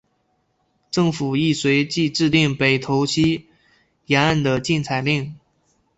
政府亦随即制定北投溪沿岸的禁采令。